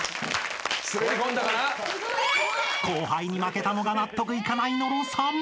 ［後輩に負けたのが納得いかない野呂さん］